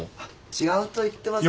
違うと言ってますが。